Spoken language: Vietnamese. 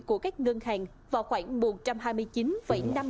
của các ngân hàng vào khoảng